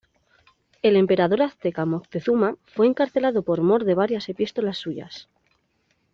El emperador azteca Moctezuma fue encarcelado por mor de varias epístolas suyas.